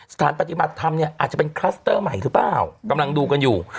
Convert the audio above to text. สถานปฏิบัติธรรมเนี่ยอาจจะเป็นคลัสเตอร์ใหม่หรือเปล่ากำลังดูกันอยู่